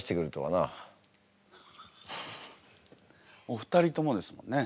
お二人ともですもんね。